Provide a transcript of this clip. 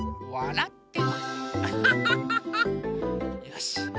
よし！